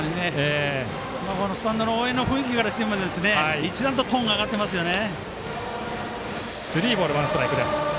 スタンドの応援の雰囲気からしても一段とトーンが上がってますよね。